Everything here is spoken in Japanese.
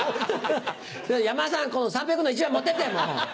山田さん三平君の１枚持ってってもう。